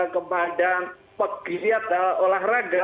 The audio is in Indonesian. kepada pegiat olahraga